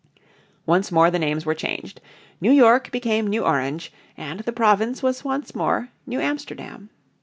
Once more the names were changed; New York became New Orange, and the province was once more New Amsterdam.